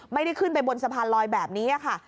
ไม่ได้ขึ้นไปบนสะพานลอยแบบนี้ค่ะ